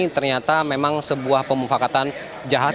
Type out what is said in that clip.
ternyata memang sebuah pemufakatan jahat